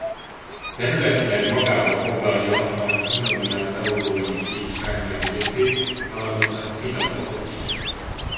Területileg magába foglalja a Gioia Tauro-i síkság nagy részét valamint a Scilla-fokot is.